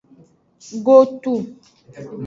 Kotu.